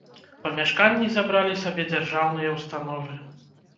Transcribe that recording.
Памяшканні забралі сабе дзяржаўныя ўстановы.